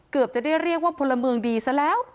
เกือบจะได้เรียกว่าพลเมืองดีซะแล้ว